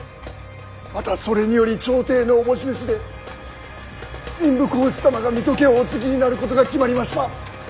またそれにより朝廷の思し召しで民部公子様が水戸家をお継ぎになることが決まりました。